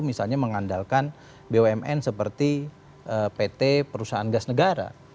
misalnya mengandalkan bumn seperti pt perusahaan gas negara